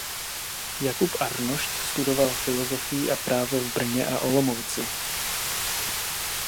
Jakub Arnošt studoval filosofii a právo v Brně a Olomouci.